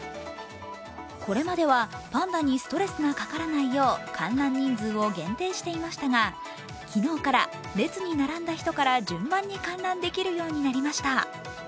これまではパンダにストレスがかからないよう観覧人数を限定していましたが昨日から列に並んだ人から順番に観覧できるようになりました。